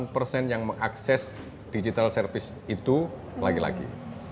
enam puluh delapan persen yang mengakses digital service itu laki laki